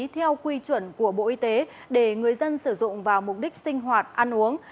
theo quy chuẩn của bộ y tế để người dân sử dụng vào mục đích sinh hoạt ăn uống